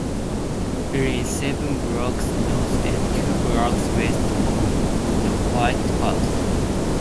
It is seven blocks north and two blocks west of the White House.